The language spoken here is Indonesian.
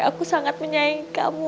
aku sangat menyayangi kamu